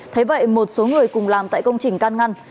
thế vậy một số người cùng làm tại công trình can ngăn